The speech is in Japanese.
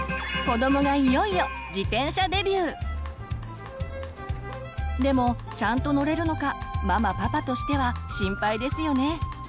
子どもがいよいよでもちゃんと乗れるのかママパパとしては心配ですよね。